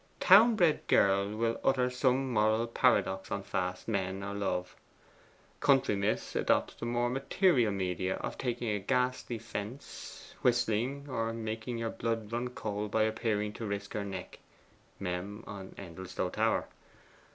Town bred girl will utter some moral paradox on fast men, or love. Country miss adopts the more material media of taking a ghastly fence, whistling, or making your blood run cold by appearing to risk her neck. (MEM. On Endelstow Tower.)